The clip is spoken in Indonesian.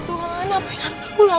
tuhan apa yang harus aku lah